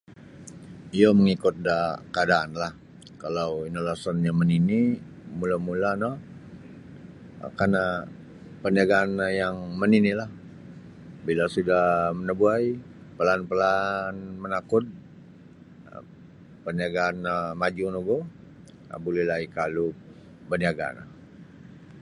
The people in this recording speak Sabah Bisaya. Iyo mangikut da kaadaan lah kalau inolosonnyo manini mula-mula no kana paniagaan yang manini lah bila suda nabuai plaan-plaan manakud um paniagaan no maju nogu bulilah ikalu baniaga no.